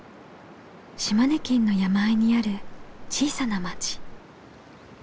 島根県の山あいにある小さな町。